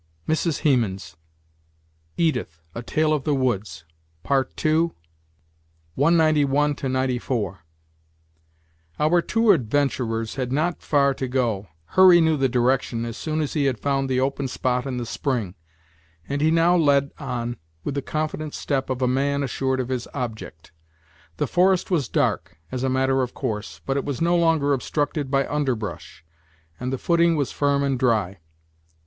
Mrs. Hemans, "Edith. A Tale of the Woods" II. 191 94 Our two adventurers had not far to go. Hurry knew the direction, as soon as he had found the open spot and the spring, and he now led on with the confident step of a man assured of his object. The forest was dark, as a matter of course, but it was no longer obstructed by underbrush, and the footing was firm and dry.